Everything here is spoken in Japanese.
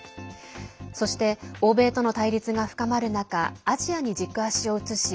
そして、欧米との対立が深まる中アジアに軸足を移し